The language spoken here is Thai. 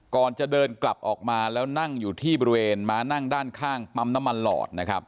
ก่อนจะเดินกลับออกมาแล้วนั่งอยู่ที่บริเวณม้านั่งด้านข้างปั๊มน้ำมันหลอดนะครับ